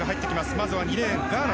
まずは２レーン、ガーナ。